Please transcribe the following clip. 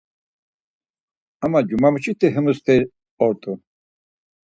Ama cumamuşiti himu steri ort̆u.